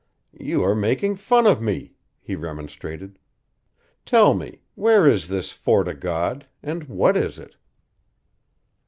"You are making fun of me," he remonstrated. "Tell me where is this Fort o' God, and what is it?"